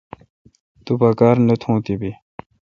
تو پا کار نہ تھون تی بی۔